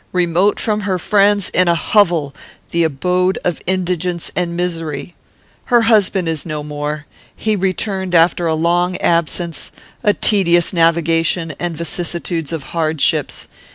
Remote from her friends; in a hovel; the abode of indigence and misery. "'Her husband is no more. He returned after a long absence, a tedious navigation, and vicissitudes of hardships.